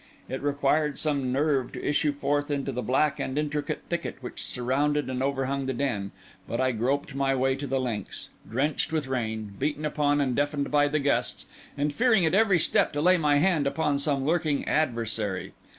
It required some nerve to issue forth into the black and intricate thicket which surrounded and overhung the den; but I groped my way to the links, drenched with rain, beaten upon and deafened by the gusts, and fearing at every step to lay my hand upon some lurking adversary.